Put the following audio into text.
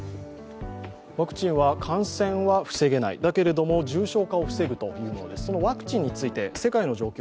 ワクチンは感染は防げない、だけれども重症化を防ぐというものでそのワクチンについて、世界の状況